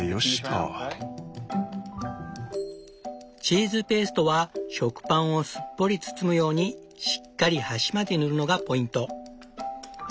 チーズペーストは食パンをすっぽり包むようにしっかり端まで塗るのがポイント。